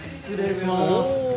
失礼します。